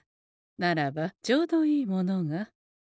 ならばちょうどいいものが。